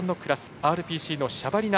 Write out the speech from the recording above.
ＲＰＣのシャバリナ